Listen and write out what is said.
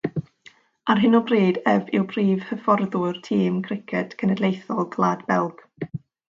Ar hyn o bryd ef yw prif hyfforddwr tîm criced cenedlaethol Gwlad Belg.